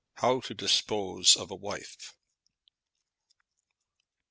HOW TO DISPOSE OF A WIFE.